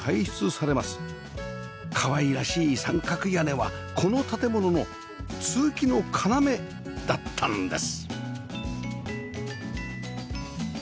かわいらしい三角屋根はこの建物の通気の要だったんです